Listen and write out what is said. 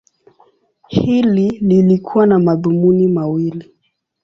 Hili lilikuwa na madhumuni mawili.